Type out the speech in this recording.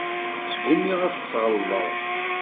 Sgumiɣ ad t-ssɣelḍeɣ.